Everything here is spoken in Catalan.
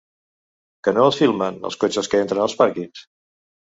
Que no els filmen, els cotxes que entren als pàrquings?